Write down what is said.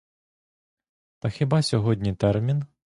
Та хіба сьогодні термін?